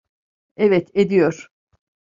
Evet, ediyor.